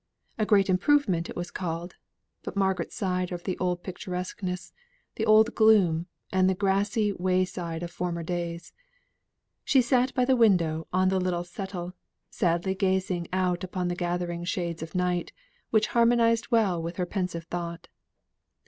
A great improvement it was called; but Margaret sighed over the old picturesqueness, the old gloom, and the grassy way side of former days. She sate by the window on the little settle, sadly gazing out upon the gathering shades of night, which harmonized well with her pensive thought.